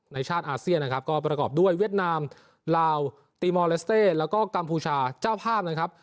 ชาติอาเซียนนะครับก็ประกอบด้วยเวียดนามลาวตีมอลเลสเต้แล้วก็กัมพูชาเจ้าภาพนะครับ